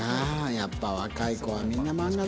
やっぱ若い子はみんな漫画だな。